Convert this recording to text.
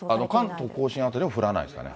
関東甲信辺りも降らないんですかね。